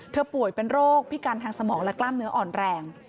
ป่วยเป็นโรคพิการทางสมองและกล้ามเนื้ออ่อนแรง